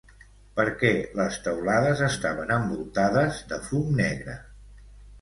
Per què les teulades estaven envoltades de fum negre?